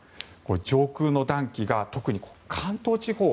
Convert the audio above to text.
上空の暖気が特に関東地方